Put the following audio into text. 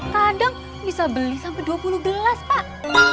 kadang bisa beli sampai dua puluh gelas pak